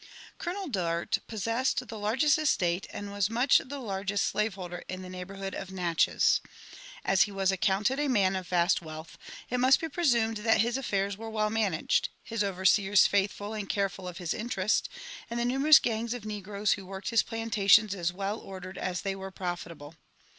Colonel Dart possessed the largest estate and was much the largest slave holder in the neighbourhood of Natchez. As he vras accounted a man of vast wealth, it must be presumed that his affairs were well managed, his overseers faithful and careful of his interest, and the nu merous gangs of negroes who worked his plantations as well ordered as they were profitable.